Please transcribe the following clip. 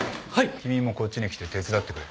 君もこっちに来て手伝ってくれ。